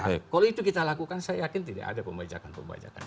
nah kalau itu kita lakukan saya yakin tidak ada pembajakan pembajakan